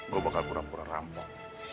gue bakal pura pura ramu